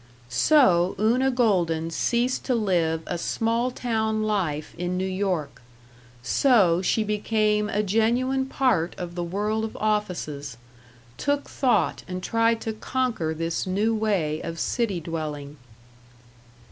So Una Golden ceased to live a small town life in New York; so she became a genuine part of the world of offices; took thought and tried to conquer this new way of city dwelling.